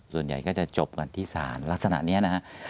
ส่วนใหญ่ก็จะจบกันที่ศาลลักษณะนี้นะครับ